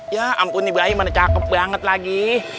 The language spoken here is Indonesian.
ya ampun di bayi mana cakep banget lagi